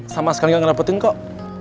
sama sekali gak ngerapetin kok